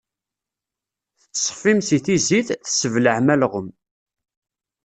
Tettṣeffim si tizit, tesseblaɛem alɣem.